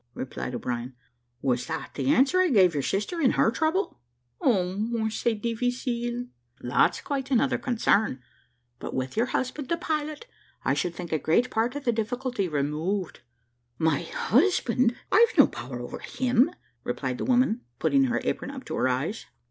replied O'Brien; "was that the answer I gave your sister in her trouble?" "Au moins c'est difficile." "That's quite another concern; but with your husband a pilot I should think a great part of the difficulty removed." "My husband! I've no power over him," replied the woman, putting her apron up to her eyes.